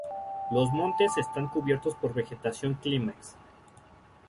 Los montes están cubiertos por vegetación clímax.